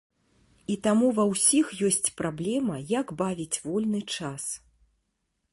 І таму ва ўсіх ёсць праблема, як бавіць вольны час.